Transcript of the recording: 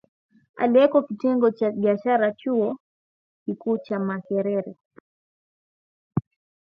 aliyeko Kitengo cha Biashara Chuo Kikuu cha Makerere